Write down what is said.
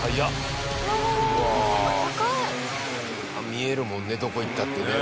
見えるもんねどこ行ったってね。